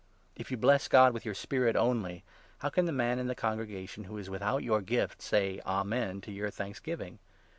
If you bless God with your spirit only, how can the man 16 in the congregation who is without your gift say ' Amen ' to your thanksgiving?